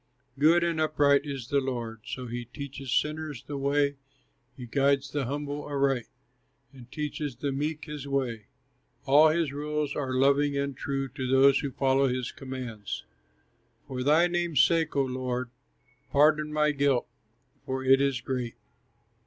Good and upright is the Lord, So he teaches sinners the way, He guides the humble aright, And teaches the meek his way, All his rules are loving and true, To those who follow his law and commands. For thy name's sake, O Lord, Pardon my guilt, for it is great.